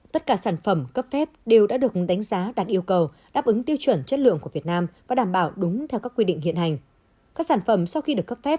tất cả sản phẩm cấp phép đều đã được đánh giá đạt yêu cầu đáp ứng tiêu chuẩn chất lượng của việt nam và đảm bảo đúng theo các quy định hiện hành